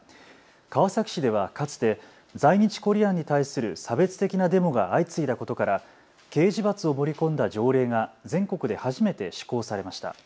川崎市ではかつて在日コリアンに対する差別的なデモが相次いだことから刑事罰を盛り込んだ条例が全国で初めて施行されました。